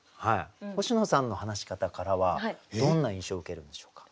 星野さんの話し方からはどんな印象を受けるんでしょうか？